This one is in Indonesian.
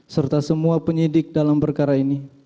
serta semua penyidik dalam perkara ini